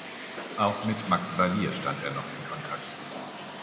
Auch mit Max Valier stand er noch in Kontakt.